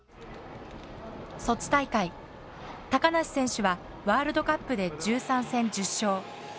ソチ大会梨選手はワールドカップで１３戦１０勝。